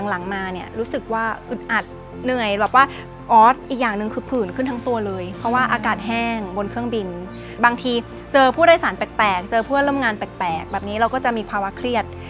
หลังมารู้สึกอึดอัดเหนื่อย